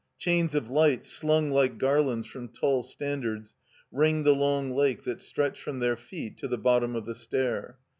Chains of light, sltmg like garlands from tall standards, ringed the long lake that stretched from their feet to the bottom of the stair.